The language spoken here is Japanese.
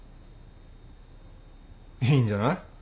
いいんじゃない？